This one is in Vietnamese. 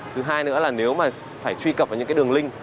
thứ hai nữa là nếu mà phải truy cập vào những cái đường link